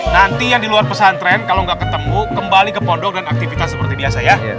nanti yang di luar pesantren kalau nggak ketemu kembali ke pondok dan aktivitas seperti biasa ya